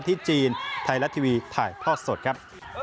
ที่จีนไทยรัฐทีวีถ่ายทอดสดครับ